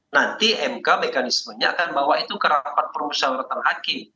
nanti mk mekanismenya akan bawa itu ke rapat permusyawaratan hakim